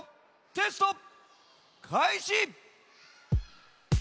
テストかいし！